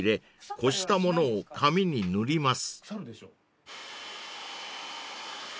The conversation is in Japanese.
こしたものを紙に塗ります］